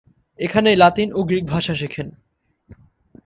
এখানেই লাতিন ও গ্রিক ভাষা শেখেন।